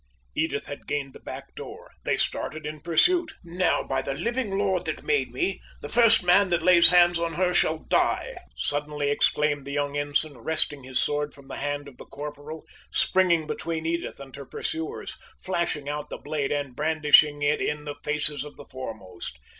Edith had gained the back door. They started in pursuit. "Now, by the living Lord that made me, the first man that lays hands on her shall die!" suddenly exclaimed the young ensign, wresting his sword from the hand of the corporal, springing between Edith and her pursuers, flashing out the blade, and brandishing it in the faces of the foremost.